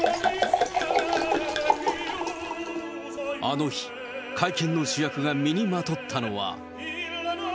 あの日、会見の主役が身にまとったのは。